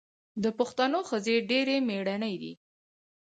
د پښتنو ښځې ډیرې میړنۍ دي.